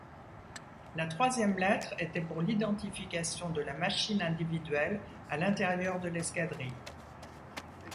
La troisième lettre était pour l'identification de la machine individuelle à l’intérieure de l’escadrille.